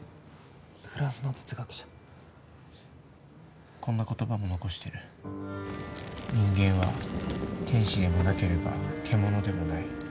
フランスの哲学者こんな言葉も残してる「人間は天使でもなければ獣でもない」